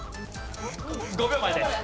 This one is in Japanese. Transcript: ５秒前です。